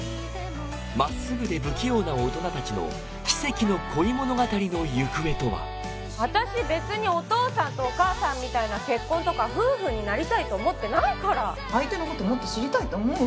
真っすぐで不器用な大人達の私別にお父さんとお母さんみたいな結婚とか夫婦になりたいと思ってないから相手のこともっと知りたいと思う？